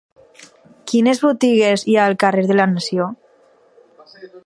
Quines botigues hi ha al carrer de la Nació?